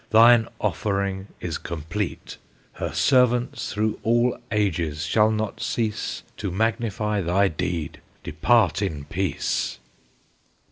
Thine offering is complete; Her servants through all ages shall not cease To magnify thy deed. Depart in peace!"